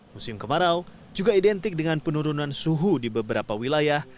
musim kemarau juga identik dengan penurunan suhu di beberapa wilayah